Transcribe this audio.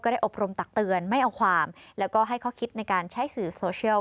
อบรมตักเตือนไม่เอาความแล้วก็ให้ข้อคิดในการใช้สื่อโซเชียล